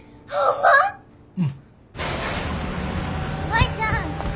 舞ちゃん